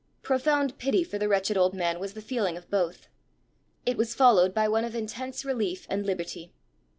Profound pity for the wretched old man was the feeling of both. It was followed by one of intense relief and liberty.